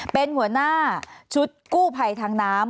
เป็นหัวหน้าชุดกู้ภัยทางน้ำ